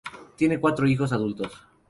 Tiene cuatro hijos adultos.